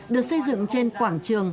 được xây dựng trên quảng trường